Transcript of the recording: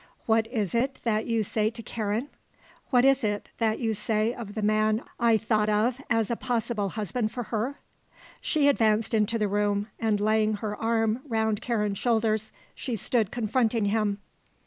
What is it that you say to Karen? What is it that you say of the man I thought of as a possible husband for her?" She advanced into the room and laying her arm round Karen's shoulders she stood confronting him.